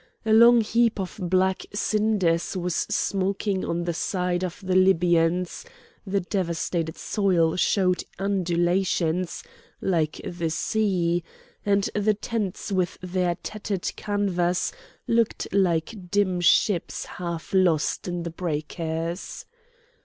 A long heap of black cinders was smoking on the side of the Libyans; the devastated soil showed undulations like the sea, and the tents with their tattered canvas looked like dim ships half lost in the breakers.